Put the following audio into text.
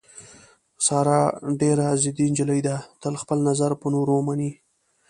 ساره ډېره ضدي نجیلۍ ده، تل خپل نظر په نورو مني.